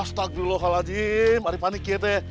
astagfirullahaladzim ada paniknya teh